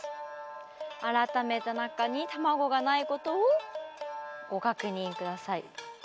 改めた中に卵がないことをご確認ください。